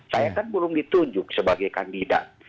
saya kan belum ditunjuk sebagai kandidat